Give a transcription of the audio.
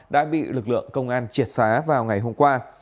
đã bị lực lượng công an triệt phá vào ngày hôm qua